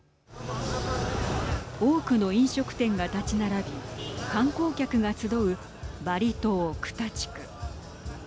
多くの飲食店が立ち並び観光客が集うバリ島、クタ地区。